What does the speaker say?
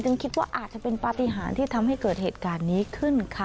คิดว่าอาจจะเป็นปฏิหารที่ทำให้เกิดเหตุการณ์นี้ขึ้นค่ะ